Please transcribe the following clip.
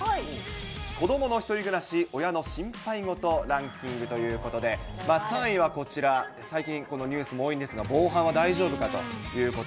子どものひとり暮らし親の心配事ランキングということで、３位はこちら、最近、このニュースも多いんですが、防犯は大丈夫かということ。